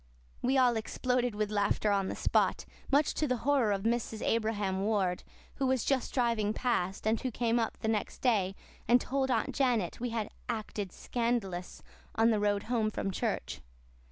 We all exploded with laughter on the spot, much to the horror of Mrs. Abraham Ward, who was just driving past, and who came up the next day and told Aunt Janet we had "acted scandalous" on the road home from church.